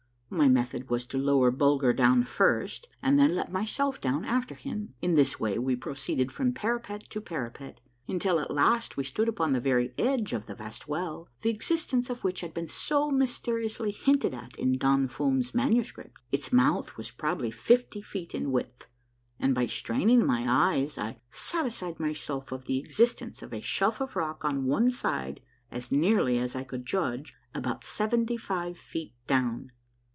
My method was to lower Bulger down first, and then let myself down after him. In this way we pro ceeded from parapet to parapet, until at last we stood upon the very edge of the vast well, the existence of which had been so mysteriously hinted at in Don Fum's manuscript. Its mouth was probably fifty feet in width, and by straining my eyes I satisfied myself of the existence of a shelf of rock on one side, as nearly as I could judge about seventy five feet down.